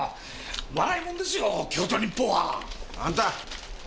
笑い者ですよ京都日報は。あんた！